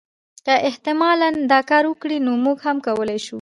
که احتمالا دا کار وکړي نو موږ هم کولای شو.